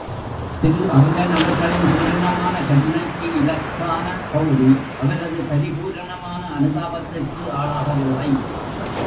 திரு அகிலன் அவர்களின் பூரணமான கருணை க்கு இலக்கான கெளரி அவரது பரிபூரணமான அனுதாபத்துக்கு ஆளாகவில்லை.